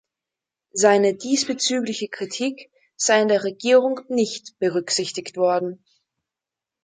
Seine diesbezügliche Kritik sei in der Regierung nicht berücksichtigt worden.